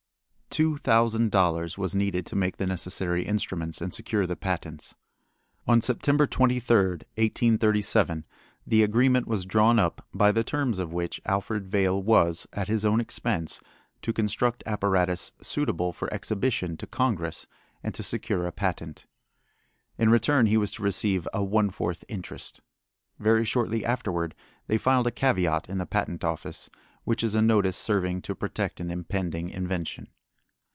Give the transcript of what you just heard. Two thousand dollars was needed to make the necessary instruments and secure the patents. On September 23, 1837, the agreement was drawn up by the terms of which Alfred Vail was, at his own expense, to construct apparatus suitable for exhibition to Congress and to secure a patent. In return he was to receive a one fourth interest. Very shortly afterward they filed a caveat in the Patent Office, which is a notice serving to protect an impending invention.